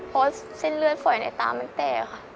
เพราะเส้นเลือดฝอยในตามันแตกค่ะ